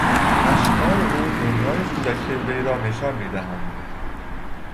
اشعار او دنیای کودکی وی را نشان میدهند.